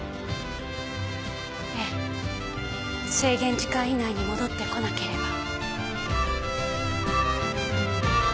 ええ制限時間以内に戻ってこなければ。